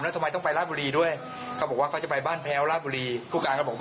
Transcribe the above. นี่กิโลจะต้องที่ชื่อโจ๊ค่ะเขาจะต้องมีส่วนอันนี้ด้วยไหมค่ะ